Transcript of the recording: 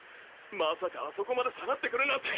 まさかあそこまで下がってくるなんて！